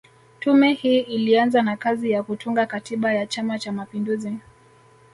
Tume hii ilianza na kazi ya kutunga katiba ya Chama Cha Mapinduzi